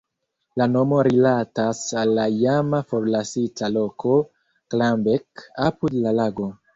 La nomo rilatas al la iama forlasita loko "Glambek" apud la lago.